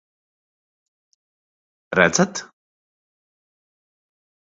Redzat?